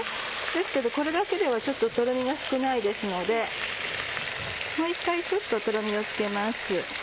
ですけどこれだけではちょっととろみが少ないですのでもう１回ちょっととろみをつけます。